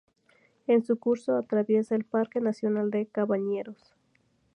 En su curso atraviesa el Parque nacional de Cabañeros.